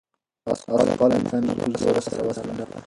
آس خپله تنه په زور سره وڅنډله.